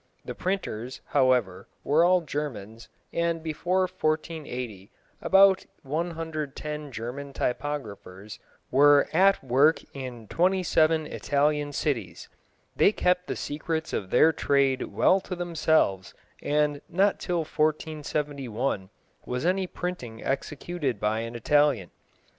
The printers, however, were all Germans, and before 1480 about 110 German typographers were at work in twenty seven Italian cities. They kept the secrets of their trade well to themselves, and not till 1471 was any printing executed by an Italian.